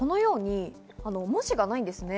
文字がないんです。